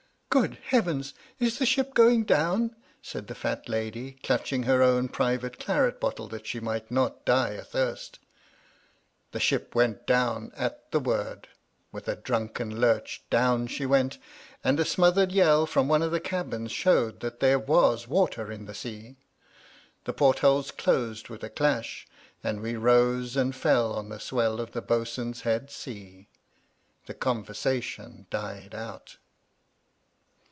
"Good heavens I is the ship going down?" said the fat lady, clutching her own private claret bottle that she might not die athirst. The ship went down at the word — with a drunken lurch down she went, and a smothered yell from one of the cabins showed that there was water in the sea. The portholes closed with a clash, and we rose and fell on the swell of the bo'sun's head sea. The conversation died out.